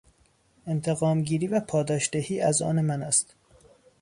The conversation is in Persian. انتقامگیری و پاداشدهی از آن من است.